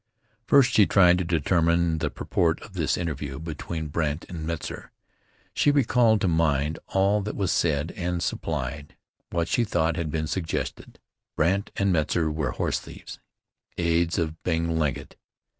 First she tried to determine the purport of this interview between Brandt and Metzar. She recalled to mind all that was said, and supplied what she thought had been suggested. Brandt and Metzar were horse thieves, aids of Bing Legget.